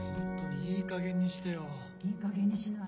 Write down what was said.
・いいかげんにしない。